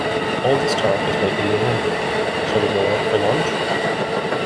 All this talk is making me hungry, shall we go out for lunch?